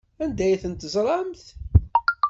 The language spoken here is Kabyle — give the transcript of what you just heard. Anda ay ten-teẓramt?